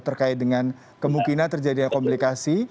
terkait dengan kemungkinan terjadinya komplikasi